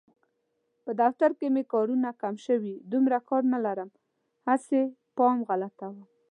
په دفتر کې مې کارونه کم شوي، دومره کار نه لرم هسې پام غلطوم.